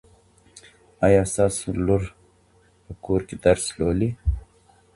ایا ستا لور په کور کې درس لولي؟